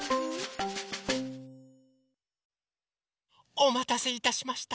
おまたせいたしました！